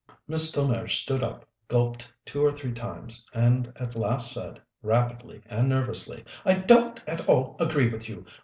Miss Delmege stood up, gulped two or three times, and at last said, rapidly and nervously: "I don't at all agree with you.